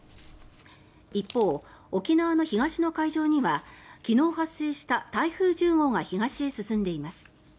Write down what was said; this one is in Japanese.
一方、沖縄の東の海上には昨日発生した台風１０号が東へ進んでいます。